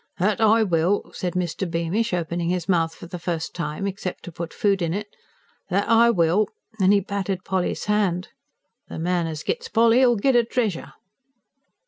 "That I will!" said Mr. Beamish, opening his mouth for the first time except to put food in it. "That I will," and he patted Polly's hand. "The man as gits Polly'll git a treasure."